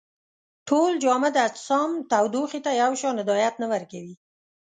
ټول جامد اجسام تودوخې ته یو شان هدایت نه ورکوي.